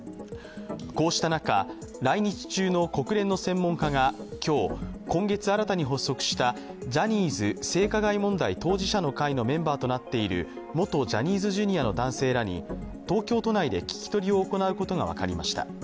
こうした中、来日中の国連の専門家が今日、今月新たに発足したジャニーズ性加害問題当事者の会のメンバーとなっている元ジャニーズＪｒ．の男性らに東京都内で聞き取りを行うことが分かりました。